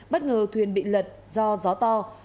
bất ngờ thuyền bị lật do gió to